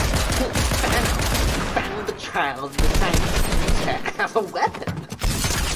Thanos found the child and decided to use her as a weapon.